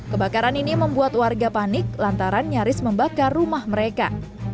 kebakaran ini membuat warga panik lantaran nyaris membakar rumah mereka